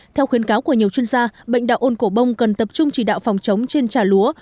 theo khuyến cáo của nhiều chuyên gia bệnh đạo ôn cổ bông cần tập trung chỉ đạo phòng chống trên trà lúa